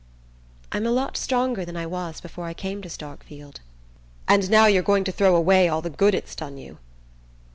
"I'm a lot stronger than I was before I came to Starkfield." "And now you're going to throw away all the good it's done you!"